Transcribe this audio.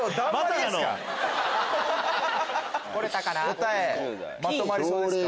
答えまとまりそうですか？